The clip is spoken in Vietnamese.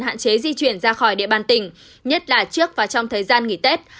hạn chế di chuyển ra khỏi địa bàn tỉnh nhất là trước và trong thời gian nghỉ tết